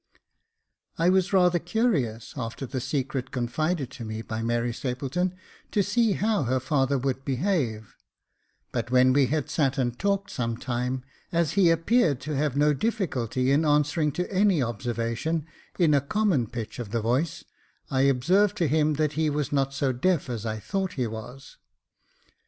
I WAS rather curious, after the secret confided to me by Mary Stapleton, to see how her father would behave ; but when we had sat and talked some time, as he appeared to have no difficulty in answering to any observation in a common pitch of the voice, I observed to him that he was not so deaf as I thought he was.